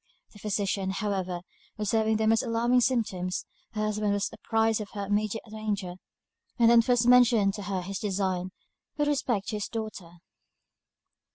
The physician, however, observing the most alarming symptoms; her husband was apprised of her immediate danger; and then first mentioned to her his designs with respect to his daughter.